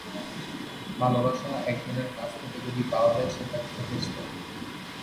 ভালবাসা একজনের কাছ থেকে যদি পাওয়া, সেটাই যথেষ্ট।